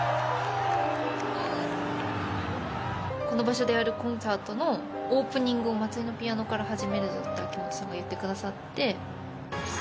この場所でやるコンサートのオープニングを松井のピアノから始めるぞって秋元さんが言ってくださって。